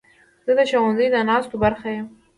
زه د ښوونځي د ناستو برخه یم.